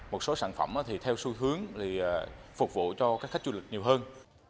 một số sản phẩm theo xu hướng phục vụ cho các khách du lịch nhiều hơn